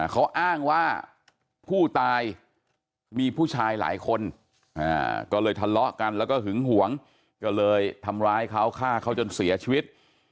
เขาอ้างว่าผู้ตายมีผู้ชายหลายคนก็เลยทะเลาะกันแล้วก็หึงหวงก็เลยทำร้ายเขาฆ่าเขาจนเสียชีวิต